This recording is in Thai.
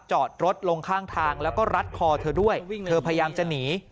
จอดรถลงข้างทางแล้วก็รัดคอเธอด้วยเธอพยายามจะหนี